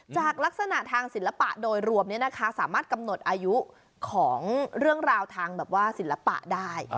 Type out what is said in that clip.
จากลักษณะทางศิลปะโดยรวมสามารถกำหนดอายุของเรื่องราวทางแบบว่าศิลปะได้